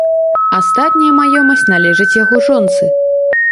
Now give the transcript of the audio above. Астатняя маёмасць належыць яго жонцы.